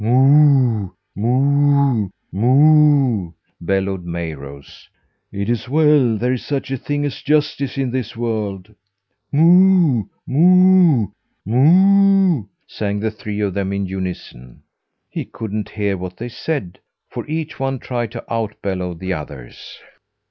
"Moo, moo, moo," bellowed Mayrose. "It is well there is such a thing as justice in this world." "Moo, moo, moo," sang the three of them in unison. He couldn't hear what they said, for each one tried to out bellow the others.